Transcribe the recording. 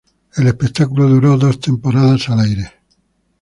El espectáculo duró dos temporadas al aire.